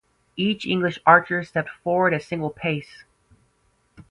Each English archer stepped forward a single pace.